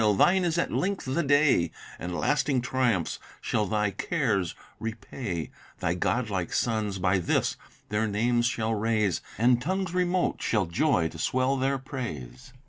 thine is at length the day, And lasting triumphs shall thy cares repay; Thy godlike sons, by this, their names shall raise, And tongues remote shall joy to swell their praise.